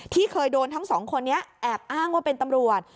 ที่เคยโดนทั้งสองคนนี้แอบอ้างว่าเป็นตำรวจ